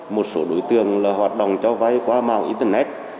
một số đối tượng là hoạt động cho vay qua mạng internet